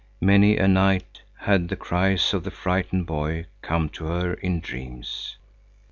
Many a night had the cries of the frightened boy come to her in dreams.